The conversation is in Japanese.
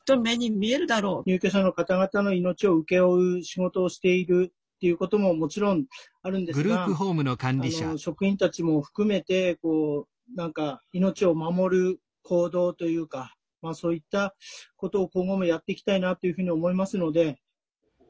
入居者の方々の命を請け負う仕事をしているっていうことももちろんあるんですが職員たちも含めて何か命を守る行動というかまあそういったことを今後もやっていきたいなっていうふうに思いますので。